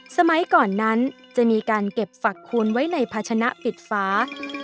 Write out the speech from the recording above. สมัยก่อนนั้นจะมีการเก็บฝักคูณไว้ในภาชนะปิดฟ้า